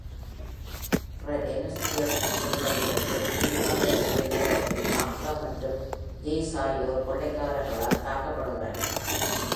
பிற ரெனுன்சியேட்களிடமிருந்து பிரிந்து வந்தச் சிறிது நேரத்தில், மாக்தா மற்றும் ஜெய்ல் ஆகியோர் கொள்ளைக்காரர்களால் தாக்கப்படுகிறார்கள்.